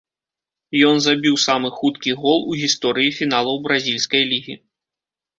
Ён забіў самы хуткі гол у гісторыі фіналаў бразільскай лігі.